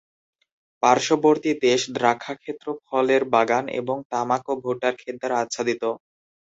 পার্শ্ববর্তী দেশ দ্রাক্ষাক্ষেত্র, ফলের বাগান এবং তামাক ও ভুট্টার ক্ষেত দ্বারা আচ্ছাদিত।